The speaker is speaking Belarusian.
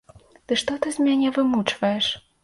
Ды што ты з мяне вымучваеш?